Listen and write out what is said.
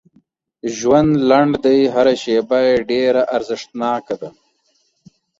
ژوند لنډ دی هر شیبه یې ډېره ارزښتناکه ده